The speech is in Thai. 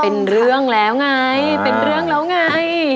เป็นเรื่องแล้วไงเป็นเรื่องแล้วไง